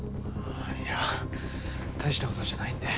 いや大した事じゃないんで。